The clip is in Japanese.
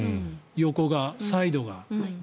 横が、サイドが。